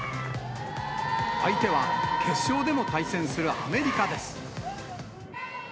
相手は決勝でも対戦するアメリカです。